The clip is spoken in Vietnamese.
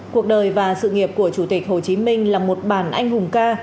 cuộc đời và sự nghiệp của chủ tịch hồ chí minh là một bản anh hùng ca